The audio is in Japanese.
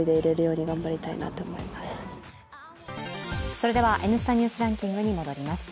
それでは「Ｎスタ・ニュースランキング」に戻ります。